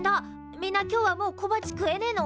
みんな今日はもう小鉢食えねえの！？